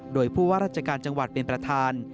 โดยผู้ว่าราชการจังหวัดเป็นประธาน